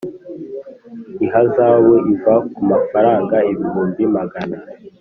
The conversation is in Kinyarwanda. ihazabu iva ku mafaranga ibihumbi magana